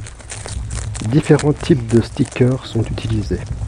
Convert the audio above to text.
Différents types de stickers sont utilisés.